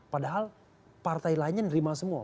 padahal partai lainnya menerima semua